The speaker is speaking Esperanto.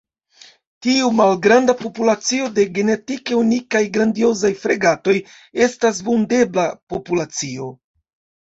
Tiu malgranda populacio de genetike unikaj Grandiozaj fregatoj estas vundebla populacio.